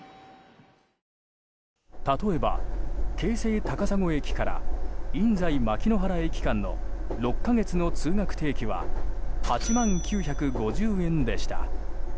例えば、京成高砂駅から印西牧の原駅間の１か月の通学定期は８万９５０円でした。